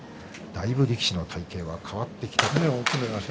だいぶ力士の体形が変わってきています。